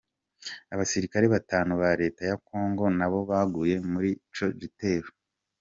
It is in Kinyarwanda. Abasirikare batanu ba leta ya Congo nabo baguye muri icyo gitero.